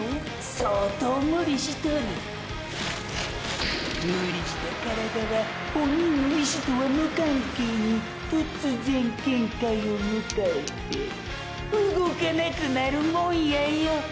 相当ムリしとるムリした体は本人の意思とは無関係に突然限界を迎えて動かなくなるもんやよ！！